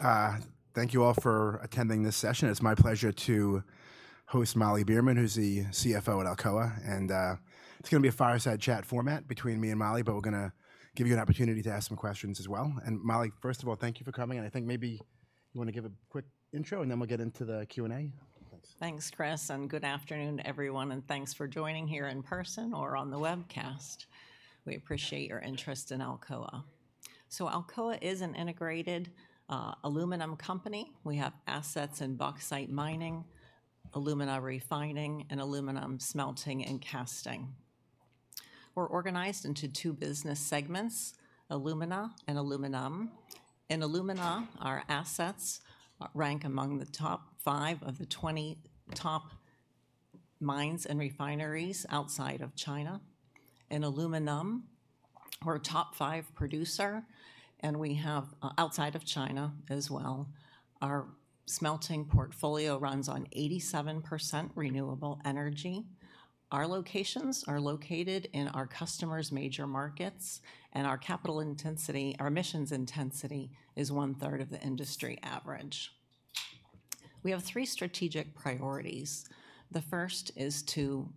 All right, thank you all for attending this session. It's my pleasure to host Molly Beerman, who's the CFO at Alcoa, and it's going to be a fireside chat format between me and Molly, but we're going to give you an opportunity to ask some questions as well. And Molly, first of all, thank you for coming, and I think maybe you want to give a quick intro, and then we'll get into the Q&A. Thanks, Chris, and good afternoon, everyone, and thanks for joining here in person or on the webcast. We appreciate your interest in Alcoa. So Alcoa is an integrated aluminum company. We have assets in bauxite mining, alumina refining, and aluminum smelting and casting. We're organized into two business segments: alumina and aluminum. In alumina, our assets rank among the top five of the 20 top mines and refineries outside of China. In aluminum, we're a top five producer, and we have outside of China as well. Our smelting portfolio runs on 87% renewable energy. Our locations are located in our customers' major markets, and our capital intensity, our emissions intensity is one-third of the industry average. We have three strategic priorities. The first is to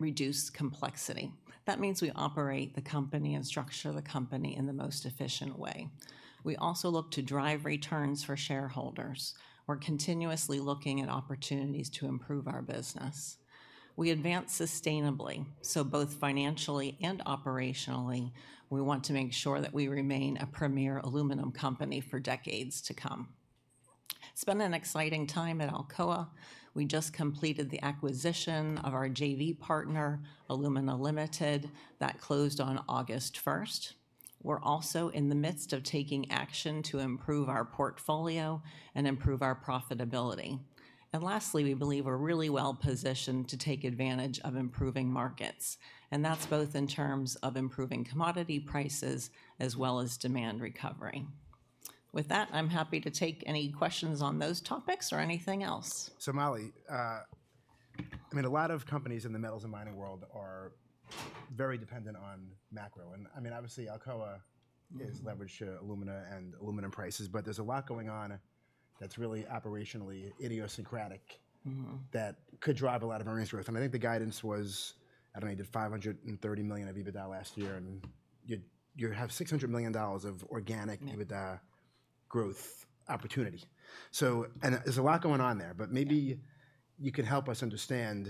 reduce complexity. That means we operate the company and structure the company in the most efficient way. We also look to drive returns for shareholders. We're continuously looking at opportunities to improve our business. We advance sustainably, so both financially and operationally, we want to make sure that we remain a premier aluminum company for decades to come. It's been an exciting time at Alcoa. We just completed the acquisition of our JV partner, Alumina Limited. That closed on August 1st. We're also in the midst of taking action to improve our portfolio and improve our profitability. And lastly, we believe we're really well-positioned to take advantage of improving markets, and that's both in terms of improving commodity prices as well as demand recovery. With that, I'm happy to take any questions on those topics or anything else. So, Molly, I mean, a lot of companies in the metals and mining world are very dependent on macro, and I mean, obviously, Alcoa- Mm... is leveraged to alumina and aluminum prices, but there's a lot going on that's really operationally idiosyncratic- Mm-hmm... that could drive a lot of earnings growth. And I think the guidance was, I don't know, you did 530 million of EBITDA last year, and you have $600 million of organic- Mm... EBITDA growth opportunity. So, and there's a lot going on there, but maybe- Yeah... you could help us understand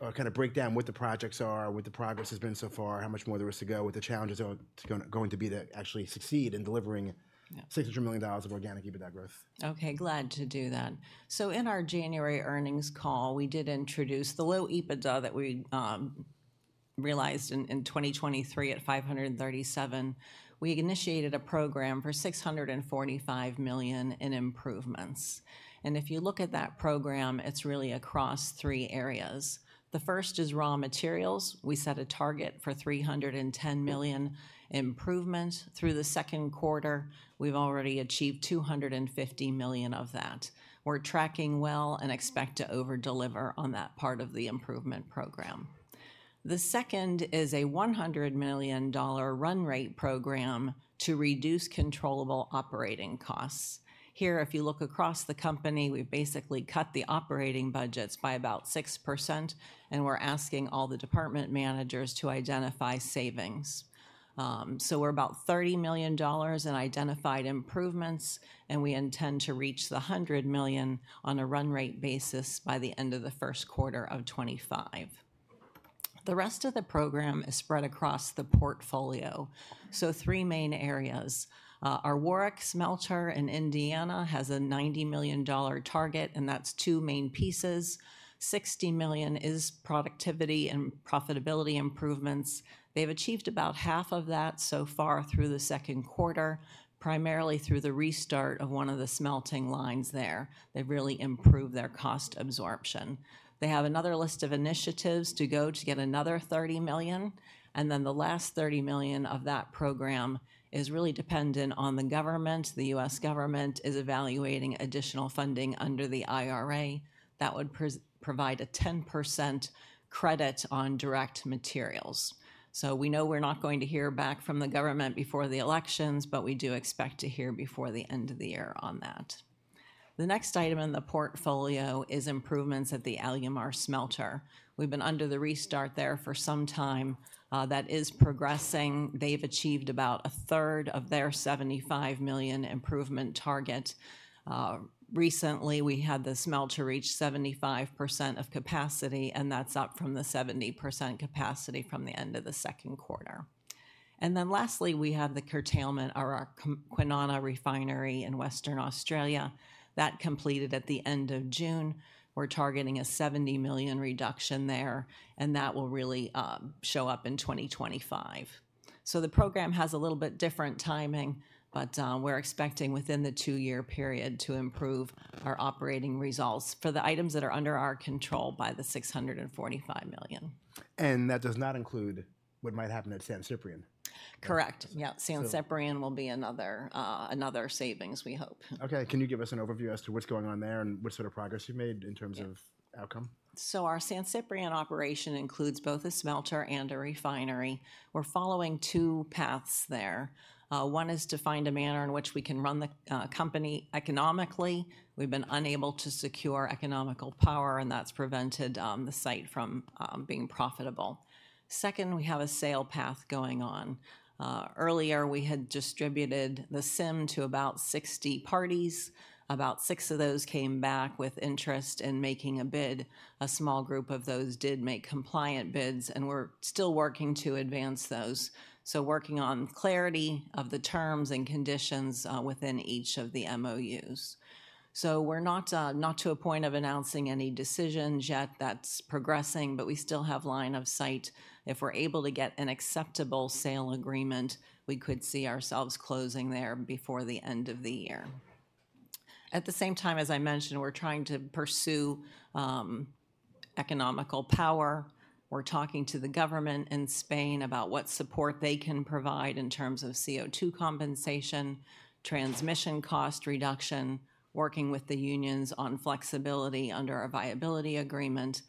or kind of break down what the projects are, what the progress has been so far, how much more there is to go, what the challenges are going to be to actually succeed in delivering- Yeah... $600 million of organic EBITDA growth. Okay, glad to do that. So in our January earnings call, we did introduce the low EBITDA that we realized in 2023 at $537 million. We initiated a program for $645 million in improvements, and if you look at that program, it's really across three areas. The first is raw materials. We set a target for $310 million improvement. Through the second quarter, we've already achieved $250 million of that. We're tracking well and expect to over-deliver on that part of the improvement program. The second is a $100 million run rate program to reduce controllable operating costs. Here, if you look across the company, we've basically cut the operating budgets by about 6%, and we're asking all the department managers to identify savings. We're about $30 million in identified improvements, and we intend to reach $100 million on a run rate basis by the end of the first quarter of 2025. The rest of the program is spread across the portfolio, so three main areas. Our Warrick smelter in Indiana has a $90 million target, and that's two main pieces. $60 million is productivity and profitability improvements. They've achieved about half of that so far through the second quarter, primarily through the restart of one of the smelting lines there. They've really improved their cost absorption. They have another list of initiatives to go to get another $30 million, and then the last $30 million of that program is really dependent on the government. The U.S. government is evaluating additional funding under the IRA. That would provide a 10% credit on direct materials. So we know we're not going to hear back from the government before the elections, but we do expect to hear before the end of the year on that. The next item in the portfolio is improvements at the Alumar smelter. We've been under the restart there for some time. That is progressing. They've achieved about a third of their $75 million improvement target. Recently, we had the smelter reach 75% of capacity, and that's up from the 70% capacity from the end of the second quarter. And then lastly, we have the curtailment at our Kwinana Refinery in Western Australia. That completed at the end of June. We're targeting a $70 million reduction there, and that will really show up in 2025. So the program has a little bit different timing, but we're expecting within the two-year period to improve our operating results for the items that are under our control by $645 million. That does not include what might happen at San Ciprián?... Correct. Yeah, San Ciprián will be another savings, we hope. Okay, can you give us an overview as to what's going on there, and what sort of progress you've made in terms of- Yeah -outcome? So our San Ciprián operation includes both a smelter and a refinery. We're following two paths there. One is to find a manner in which we can run the company economically. We've been unable to secure economical power, and that's prevented the site from being profitable. Second, we have a sale path going on. Earlier, we had distributed the SIM to about 60 parties. About 6 of those came back with interest in making a bid. A small group of those did make compliant bids, and we're still working to advance those, so working on clarity of the terms and conditions within each of the MOUs. So we're not not to a point of announcing any decisions yet. That's progressing, but we still have line of sight. If we're able to get an acceptable sale agreement, we could see ourselves closing there before the end of the year. At the same time, as I mentioned, we're trying to pursue economical power. We're talking to the government in Spain about what support they can provide in terms of CO2 compensation, transmission cost reduction, working with the unions on flexibility under a viability agreement.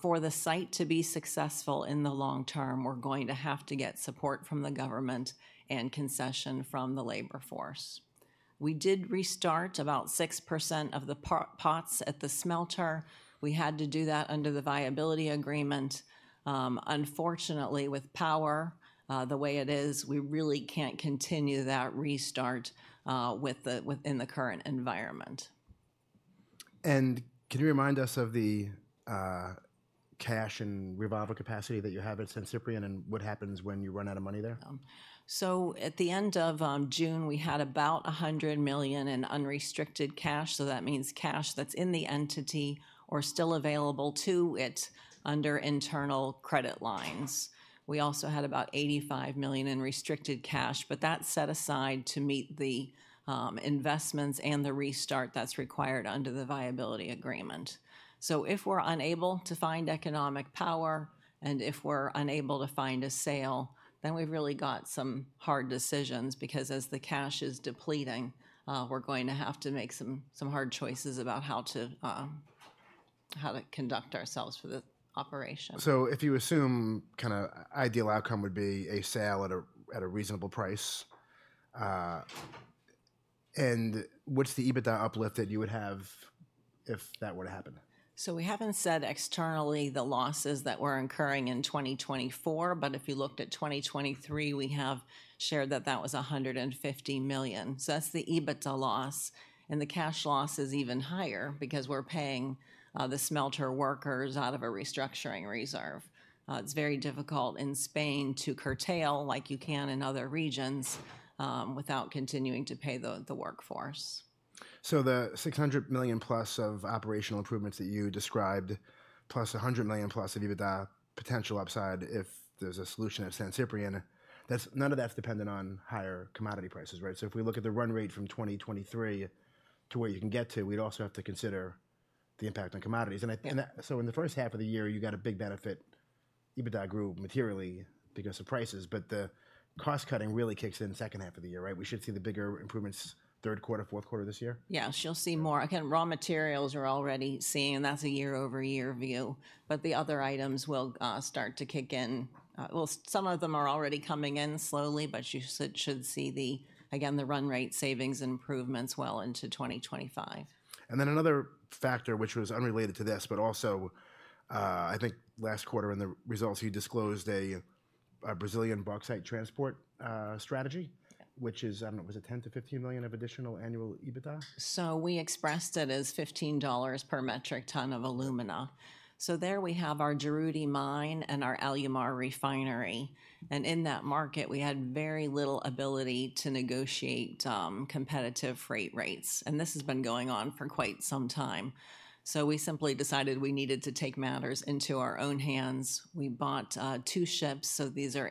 For the site to be successful in the long term, we're going to have to get support from the government and concession from the labor force. We did restart about 6% of the pots at the smelter. We had to do that under the viability agreement. Unfortunately, with power the way it is, we really can't continue that restart within the current environment. Can you remind us of the cash and revolver capacity that you have at San Ciprián, and what happens when you run out of money there? So at the end of June, we had about $100 million in unrestricted cash, so that means cash that's in the entity or still available to it under internal credit lines. We also had about $85 million in restricted cash, but that's set aside to meet the investments and the restart that's required under the viability agreement. So if we're unable to find economic power, and if we're unable to find a sale, then we've really got some hard decisions, because as the cash is depleting, we're going to have to make some hard choices about how to conduct ourselves for the operation. So if you assume kinda ideal outcome would be a sale at a reasonable price, and what's the EBITDA uplift that you would have if that were to happen? So we haven't said externally the losses that we're incurring in 2024, but if you looked at 2023, we have shared that that was $150 million. So that's the EBITDA loss, and the cash loss is even higher because we're paying the smelter workers out of a restructuring reserve. It's very difficult in Spain to curtail, like you can in other regions, without continuing to pay the workforce. So the $600 million-plus of operational improvements that you described, plus $100 million-plus EBITDA potential upside if there's a solution at San Ciprián, that's none of that's dependent on higher commodity prices, right? So if we look at the run rate from 2023 to where you can get to, we'd also have to consider the impact on commodities. And I think- Yeah... so in the first half of the year, you got a big benefit. EBITDA grew materially because of prices, but the cost cutting really kicks in the second half of the year, right? We should see the bigger improvements third quarter, fourth quarter this year? Yeah, you'll see more. Again, raw materials are already seeing, and that's a year-over-year view, but the other items will start to kick in well, some of them are already coming in slowly, but you should see, again, the run rate savings and improvements well into 2025. And then another factor, which was unrelated to this, but also, I think last quarter in the results, you disclosed a Brazilian bauxite transport strategy- Yeah... which is, I don't know, was it 10-15 million of additional annual EBITDA? So we expressed it as $15 per metric ton of alumina. So there we have our Juruti mine and our Alumar refinery, and in that market, we had very little ability to negotiate competitive freight rates, and this has been going on for quite some time. So we simply decided we needed to take matters into our own hands. We bought two ships, so these are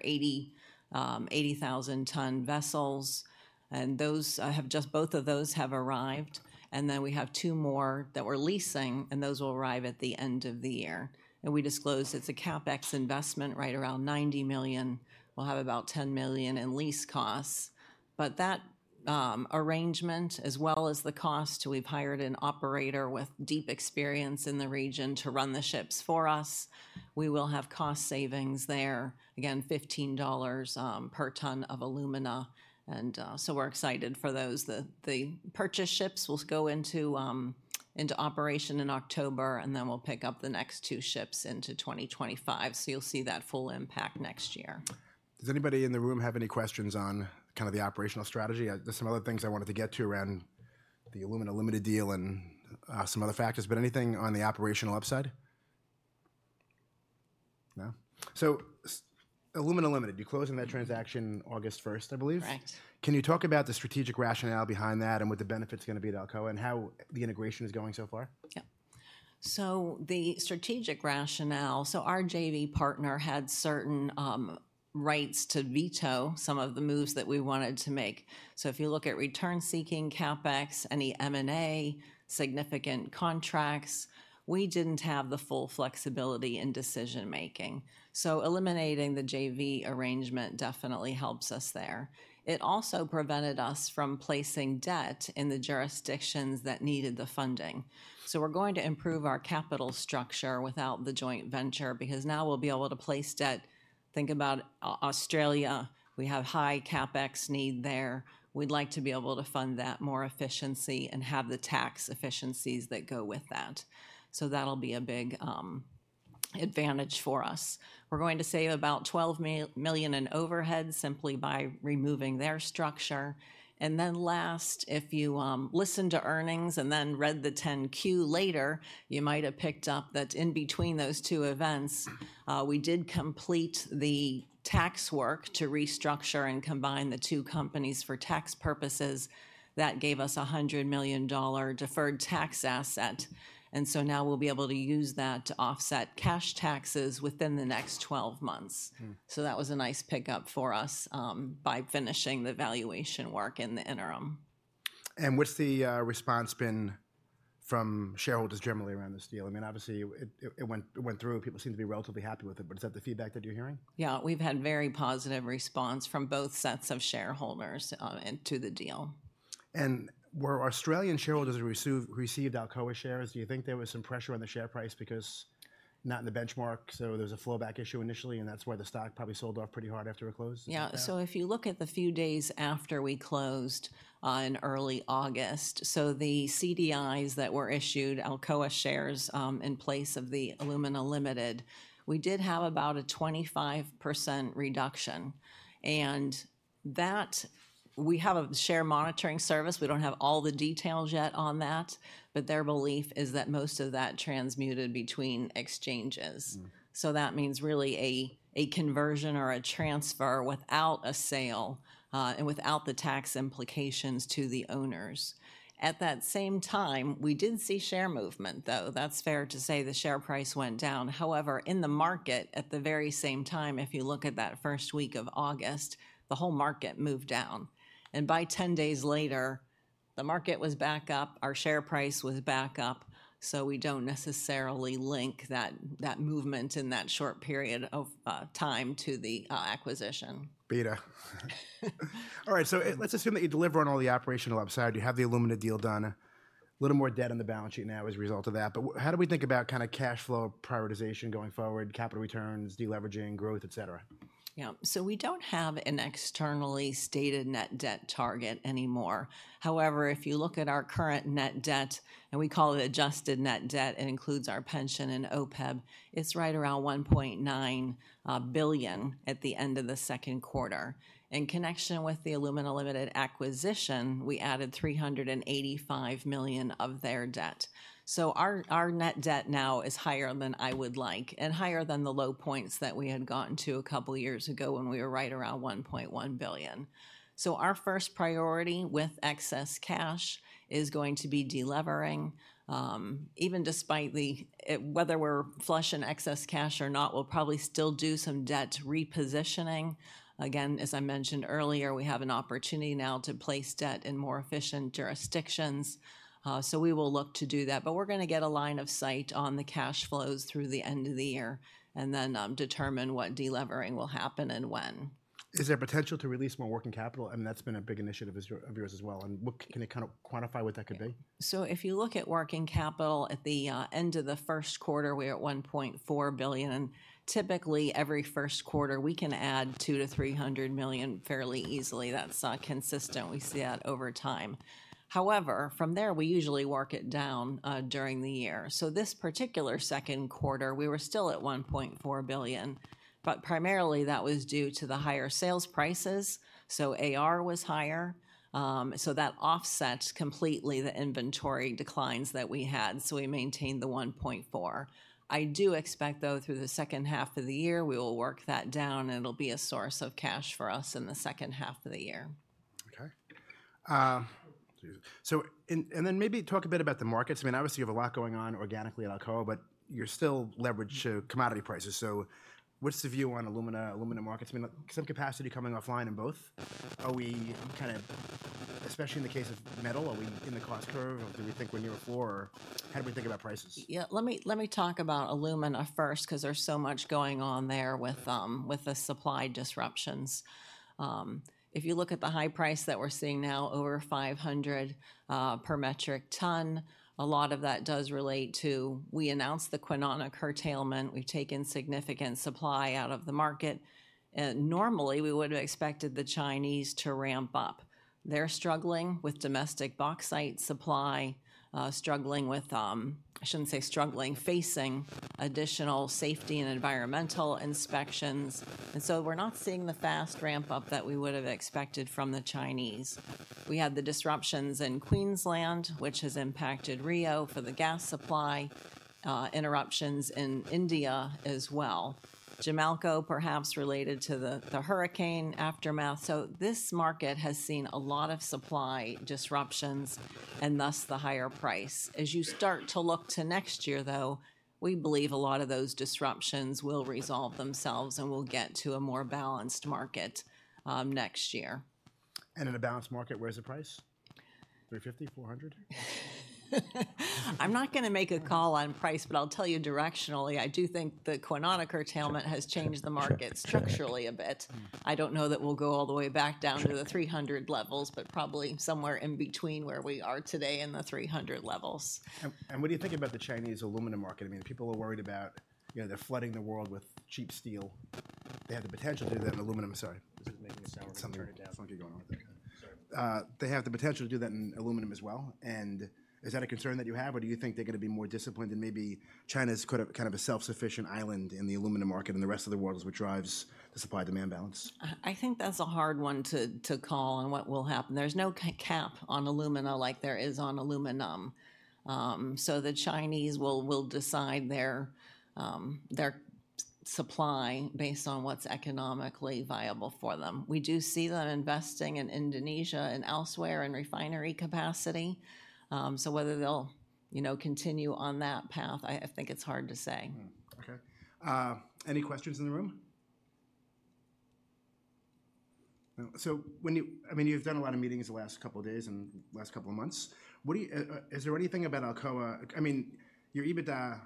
80,000-ton vessels, and those have just both of those have arrived, and then we have two more that we're leasing, and those will arrive at the end of the year. And we disclosed it's a CapEx investment, right around $90 million. We'll have about $10 million in lease costs, but that arrangement, as well as the cost, we've hired an operator with deep experience in the region to run the ships for us. We will have cost savings there, again, $15 per ton of alumina, and so we're excited for those. The purchase ships will go into operation in October, and then we'll pick up the next two ships into 2025, so you'll see that full impact next year. Does anybody in the room have any questions on kind of the operational strategy? There's some other things I wanted to get to around the Alumina Limited deal and some other factors, but anything on the operational upside? No. So Alumina Limited, you're closing that transaction August 1st, I believe? Correct. Can you talk about the strategic rationale behind that, and what the benefit's gonna be to Alcoa, and how the integration is going so far? Yeah. So the strategic rationale, so our JV partner had certain rights to veto some of the moves that we wanted to make. So if you look at return-seeking CapEx, any M&A, significant contracts, we didn't have the full flexibility in decision-making. So eliminating the JV arrangement definitely helps us there. It also prevented us from placing debt in the jurisdictions that needed the funding. So we're going to improve our capital structure without the joint venture, because now we'll be able to place debt. Think about Australia, we have high CapEx need there. We'd like to be able to fund that more efficiently and have the tax efficiencies that go with that. So that'll be a big advantage for us. We're going to save about $12 million in overhead simply by removing their structure. And then last, if you listened to earnings and then read the 10-Q later, you might have picked up that in between those two events, we did complete the tax work to restructure and combine the two companies for tax purposes. That gave us a $100 million deferred tax asset, and so now we'll be able to use that to offset cash taxes within the next twelve months. Mm. So that was a nice pickup for us, by finishing the valuation work in the interim. What's the response been from shareholders generally around this deal? I mean, obviously it went through, and people seem to be relatively happy with it, but is that the feedback that you're hearing? Yeah, we've had very positive response from both sets of shareholders, and to the deal. Were Australian shareholders who received Alcoa shares, do you think there was some pressure on the share price because not in the benchmark, so there was a flowback issue initially, and that's why the stock probably sold off pretty hard after it closed? Is that Yeah. So if you look at the few days after we closed, in early August, so the CDIs that were issued, Alcoa shares, in place of the Alumina Limited, we did have about a 25% reduction. And that, we have a share monitoring service. We don't have all the details yet on that, but their belief is that most of that traded between exchanges. Mm. So that means really a conversion or a transfer without a sale, and without the tax implications to the owners. At that same time, we did see share movement, though. That's fair to say, the share price went down. However, in the market, at the very same time, if you look at that first week of August, the whole market moved down. And by ten days later, the market was back up, our share price was back up, so we don't necessarily link that movement in that short period of time to the acquisition. Beta. All right, so let's assume that you deliver on all the operational upside, you have the Alumina deal done. A little more debt on the balance sheet now as a result of that, but how do we think about kind of cash flow prioritization going forward, capital returns, deleveraging, growth, et cetera? Yeah. So we don't have an externally stated net debt target anymore. However, if you look at our current net debt, and we call it adjusted net debt, it includes our pension and OPEB, it's right around $1.9 billion at the end of the second quarter. In connection with the Alumina Limited acquisition, we added $385 million of their debt. So our net debt now is higher than I would like and higher than the low points that we had gotten to a couple of years ago when we were right around $1.1 billion. So our first priority with excess cash is going to be delevering. Even despite whether we're flush in excess cash or not, we'll probably still do some debt repositioning. Again, as I mentioned earlier, we have an opportunity now to place debt in more efficient jurisdictions, so we will look to do that. But we're going to get a line of sight on the cash flows through the end of the year and then determine what delevering will happen and when. Is there potential to release more working capital? I mean, that's been a big initiative of yours, of yours as well, and what can you kind of quantify what that could be? So if you look at working capital at the end of the first quarter, we're at $1.4 billion, and typically every first quarter, we can add $200 million-$300 million fairly easily. That's consistent. We see that over time. However, from there, we usually work it down during the year. So this particular second quarter, we were still at $1.4 billion, but primarily that was due to the higher sales prices, so AR was higher. So that offset completely the inventory declines that we had, so we maintained the $1.4 billion. I do expect, though, through the second half of the year, we will work that down, and it'll be a source of cash for us in the second half of the year. Okay. So, and then maybe talk a bit about the markets. I mean, obviously, you have a lot going on organically at Alcoa, but you still leverage commodity prices. So what's the view on alumina, alumina markets? I mean, like, some capacity coming offline in both. Are we kind of, especially in the case of metal, are we in the cost curve, or do we think we're near floor? How do we think about prices? Yeah, let me talk about alumina first, because there's so much going on there with the supply disruptions. If you look at the high price that we're seeing now, over 500 per metric ton, a lot of that does relate to the Kwinana curtailment. We've taken significant supply out of the market, normally, we would have expected the Chinese to ramp up. They're struggling with domestic bauxite supply, I shouldn't say struggling, facing additional safety and environmental inspections, and so we're not seeing the fast ramp-up that we would have expected from the Chinese. We had the disruptions in Queensland, which has impacted Rio for the gas supply, interruptions in India as well. Jamalco, perhaps related to the hurricane aftermath. So this market has seen a lot of supply disruptions and thus the higher price. As you start to look to next year, though, we believe a lot of those disruptions will resolve themselves, and we'll get to a more balanced market, next year. And in a balanced market, where's the price?... 350, 400? I'm not gonna make a call on price, but I'll tell you directionally, I do think the Kwinana curtailment has changed the market structurally a bit. I don't know that we'll go all the way back down to the three hundred levels, but probably somewhere in between where we are today and the three hundred levels. What do you think about the Chinese aluminum market? I mean, people are worried about, you know, they're flooding the world with cheap steel. They have the potential to do that in aluminum. Sorry, this is making a sound. Something- Let me turn it down. Something funky going on with it. Sorry. They have the potential to do that in aluminum as well, and is that a concern that you have, or do you think they're going to be more disciplined, and maybe China's kind of, kind of a self-sufficient island in the aluminum market, and the rest of the world is what drives the supply-demand balance? I think that's a hard one to call on what will happen. There's no cap on alumina like there is on aluminum. So the Chinese will decide their supply based on what's economically viable for them. We do see them investing in Indonesia and elsewhere in refinery capacity. So whether they'll, you know, continue on that path, I think it's hard to say. Hmm. Okay. Any questions in the room? No. So when you-- I mean, you've done a lot of meetings the last couple of days and last couple of months. What do you... Is there anything about Alcoa-- I mean, your EBITDA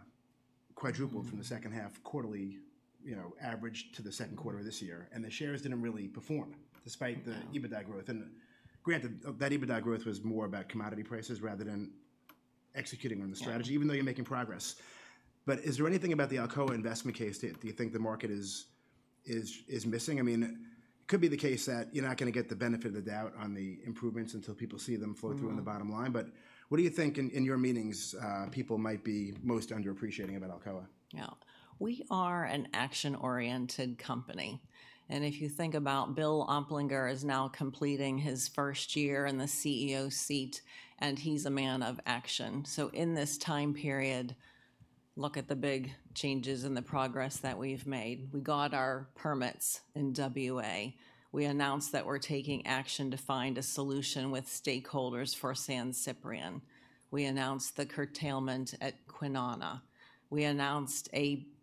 quadrupled from the second half quarterly, you know, average to the second quarter of this year, and the shares didn't really perform- No... despite the EBITDA growth, and granted, that EBITDA growth was more about commodity prices rather than executing on the strategy- Yeah... even though you're making progress, but is there anything about the Alcoa investment case, do you think the market is missing? I mean, it could be the case that you're not going to get the benefit of the doubt on the improvements until people see them flow through- Mm-hmm... in the bottom line. But what do you think in your meetings, people might be most underappreciating about Alcoa? Yeah. We are an action-oriented company, and if you think about Bill Oplinger is now completing his first year in the CEO seat, and he's a man of action. So in this time period, look at the big changes and the progress that we've made. We got our permits in WA. We announced that we're taking action to find a solution with stakeholders for San Ciprián. We announced the curtailment at Kwinana. We announced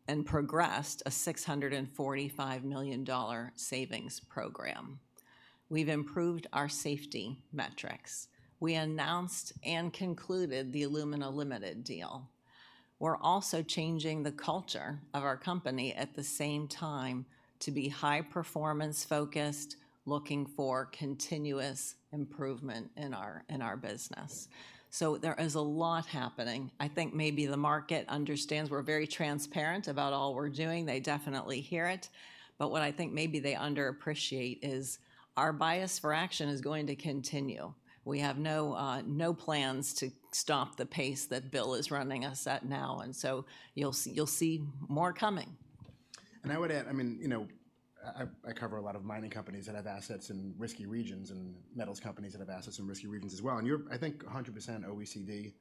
and progressed a $645 million savings program. We've improved our safety metrics. We announced and concluded the Alumina Limited deal. We're also changing the culture of our company at the same time to be high-performance focused, looking for continuous improvement in our business. So there is a lot happening. I think maybe the market understands we're very transparent about all we're doing. They definitely hear it, but what I think maybe they underappreciate is our bias for action is going to continue. We have no, no plans to stop the pace that Bill is running us at now, and so you'll see, you'll see more coming. I would add, I mean, you know, I cover a lot of mining companies that have assets in risky regions, and metals companies that have assets in risky regions as well, and you're, I think, 100% OECD.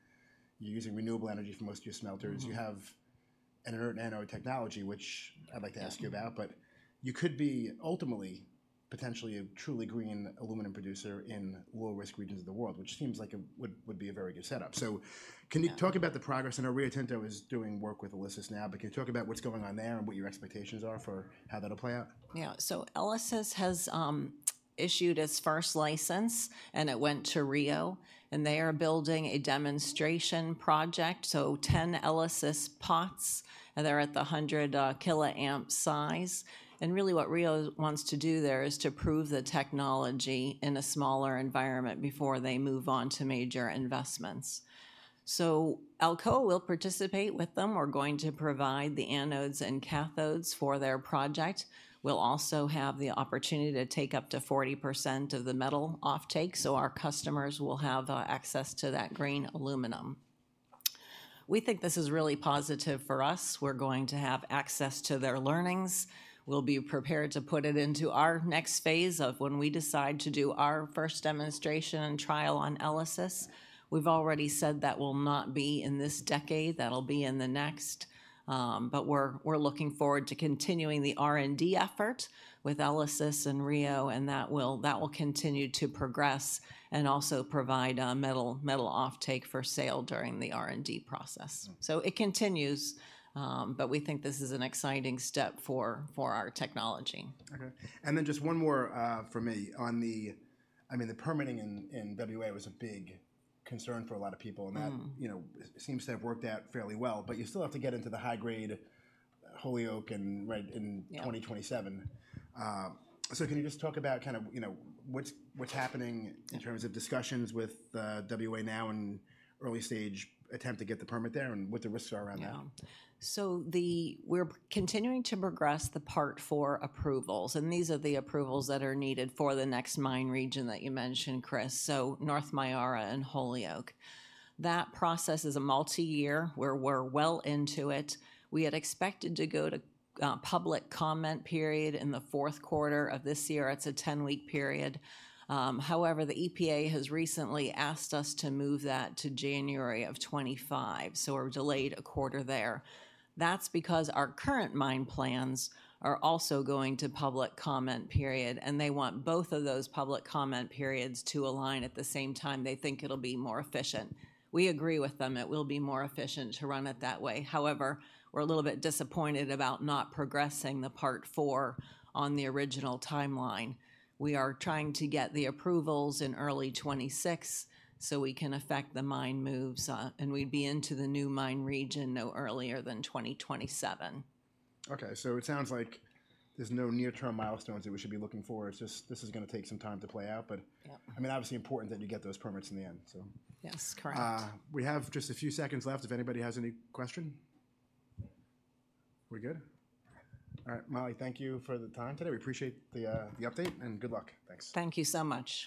You're using renewable energy for most of your smelters. Mm-hmm. You have an inert anode technology, which I'd like to ask you about, but you could be ultimately, potentially a truly green aluminum producer in low-risk regions of the world, which seems like it would be a very good setup. Yeah. So can you talk about the progress? I know Rio Tinto is doing work with Elysys now, but can you talk about what's going on there and what your expectations are for how that'll play out? Yeah. So Elysys has issued its first license, and it went to Rio, and they are building a demonstration project, so 10 Elysys pots, and they're at the 100 kiloamp size. Really, what Rio wants to do there is to prove the technology in a smaller environment before they move on to major investments. Alcoa will participate with them. We're going to provide the anodes and cathodes for their project. We'll also have the opportunity to take up to 40% of the metal off-take, so our customers will have access to that green aluminum. We think this is really positive for us. We're going to have access to their learnings. We'll be prepared to put it into our next phase of when we decide to do our first demonstration and trial on Elysys. We've already said that will not be in this decade. That'll be in the next. But we're looking forward to continuing the R&D effort with Elysys and Rio, and that will continue to progress and also provide metal off-take for sale during the R&D process. Hmm. So it continues, but we think this is an exciting step for our technology. Okay, and then just one more from me. On the, I mean, the permitting in WA was a big concern for a lot of people. Mm... and that, you know, seems to have worked out fairly well, but you still have to get into the high-grade Holyoake and right in- Yeah... 2027. So can you just talk about kind of, you know, what's happening in terms of discussions with WA now and early stage attempt to get the permit there, and what the risks are around that? Yeah. So we're continuing to progress the Part IV approvals, and these are the approvals that are needed for the next mine region that you mentioned, Chris. So North Myara and Holyoake. That process is a multiyear, where we're well into it. We had expected to go to public comment period in the fourth quarter of this year. It's a 10-week period. However, the EPA has recently asked us to move that to January of 2025, so we're delayed a quarter there. That's because our current mine plans are also going to public comment period, and they want both of those public comment periods to align at the same time. They think it'll be more efficient. We agree with them. It will be more efficient to run it that way. However, we're a little bit disappointed about not progressing the Part IV on the original timeline. We are trying to get the approvals in early 2026, so we can affect the mine moves, and we'd be into the new mine region no earlier than 2027. Okay, so it sounds like there's no near-term milestones that we should be looking for. It's just, this is gonna take some time to play out, but- Yeah... I mean, obviously important that you get those permits in the end, so. Yes, correct. We have just a few seconds left if anybody has any question. We're good? All right, Molly, thank you for the time today. We appreciate the update, and good luck. Thanks. Thank you so much.